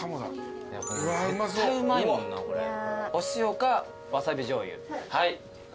お塩かわさびじょうゆ。